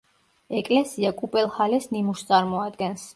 ეკლესია კუპელჰალეს ნიმუშს წარმოადგენს.